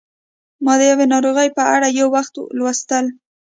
ما د یوې ناروغۍ په اړه یو وخت لوستل